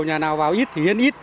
nhà nào vào ít thì hiến ít